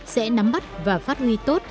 sẽ nắm bắt và phát huy tốt